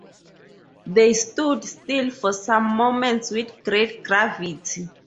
They stood still for some moments with great gravity.